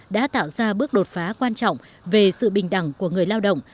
đã tạo ra bước đột phá quan trọng về sự bình đẳng của người lao động